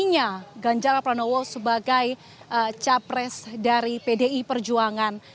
dan ini adalah mobilnya ganjarra pranowo sebagai capres dari pdi perjuangan